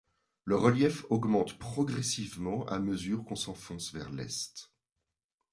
Le relief augmente progressivement à mesure qu'on s'enfonce vers l'est.